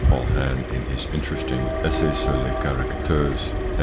Paulhan in his interesting Essai sur les caracteres , and M.